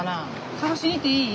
捜しに行っていい？